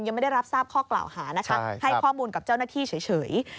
ยังไม่ได้รับทราบข้อกล่าวหานะคะให้ข้อมูลกับเจ้าหน้าที่เฉย